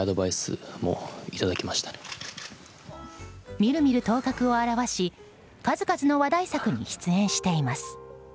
みるみる頭角を現し数々の話題作に出演しています。